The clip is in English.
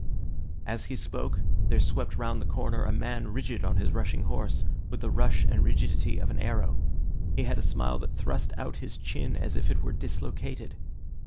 As he spoke, there swept round the corner a man rigid on his rushing horse, with the rush and rigidity of an arrow. He had a smile that thrust out his chin as if it were dislocated.